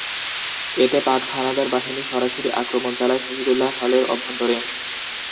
এতে পাক-হানাদার বাহিনী সরাসরি আক্রমণ চালায় শহীদুল্লাহ্ হলের অভ্যন্তরে।